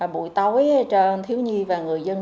bụi tối cho thiếu nhi và người dân